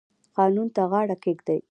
قانون ته غاړه کیږدئ